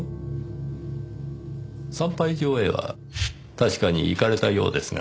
産廃場へは確かに行かれたようですが。